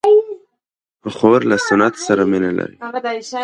خور له سنت سره مینه لري.